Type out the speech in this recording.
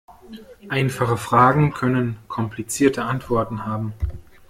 Einfache Fragen können komplizierte Antworten haben.